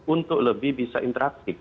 untuk lebih bisa interaktif